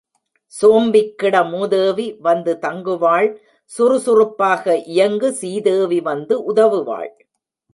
சோம்பிக்கிட மூதேவி வந்து தங்குவாள் சுறுசுறுப்பாக இயங்கு சீதேவி வந்து உதவுவாள்.